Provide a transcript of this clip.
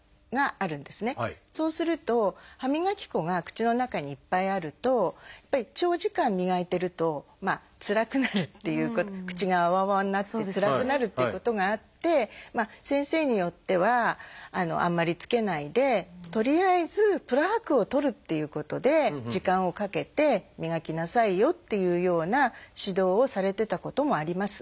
そうすると歯磨き粉が口の中にいっぱいあるとやっぱり長時間磨いてるとつらくなるっていう口が泡々になってつらくなるっていうことがあって先生によってはあんまりつけないでとりあえずプラークを取るっていうことで時間をかけて磨きなさいよっていうような指導をされてたこともあります。